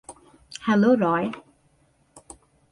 Hello, Roy.